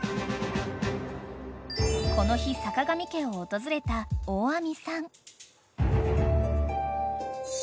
［この日坂上家を訪れた大網さん］